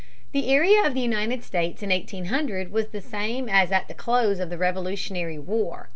The area of the United States in 1800 was the same as at the close of the Revolutionary War.